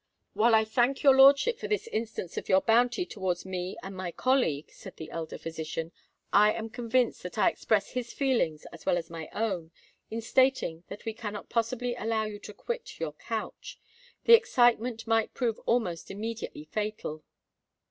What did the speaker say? "While I thank your lordship for this instance of your bounty towards me and my colleague," said the elder physician, "I am convinced that I express his feelings as well as my own, in stating that we cannot possibly allow you to quit your couch. The excitement might prove almost immediately fatal."